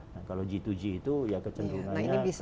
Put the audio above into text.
nah kalau g dua g itu ya kecenderungannya sama